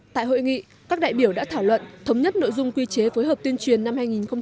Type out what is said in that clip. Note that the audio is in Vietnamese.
tại hội nghị các đại biểu đã thảo luận thống nhất nội dung quy chế phối hợp tuyên truyền năm hai nghìn hai mươi